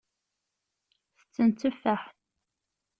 Tetten tteffaḥ.